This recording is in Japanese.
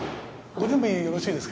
ご準備よろしいですか？